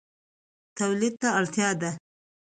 تولید ته اړتیا ده